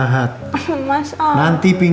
ada tanggul di depan